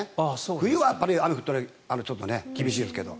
冬は雨が降ると厳しいですけど。